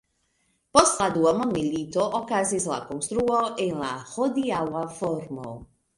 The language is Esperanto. Post la Dua Mondmilito okazis la konstruo en la hodiaŭa formo.